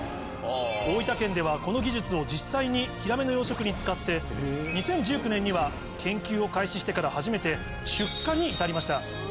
大分県ではこの技術を実際にヒラメの養殖に使って２０１９年には研究を開始してから初めて出荷に至りました。